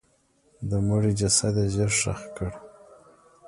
د مړي جسد یې ژر ښخ کړ.